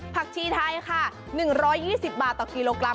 ชีไทยค่ะ๑๒๐บาทต่อกิโลกรัม